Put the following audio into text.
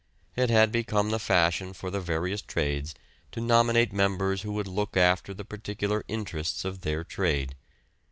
It had become the fashion for the various trades to nominate members who would look after the particular interests of their trade.